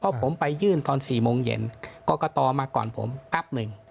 เพราะผมไปยื่นตอน๔โมงเย็นกรกตมาก่อนผมแป๊บหนึ่ง